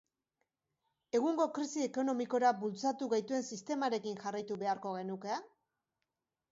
Egungo krisi ekonomikora bultzatu gaituen sistemarekin jarraitu beharko genuke?